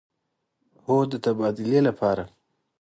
هو، د تبادلې لپاره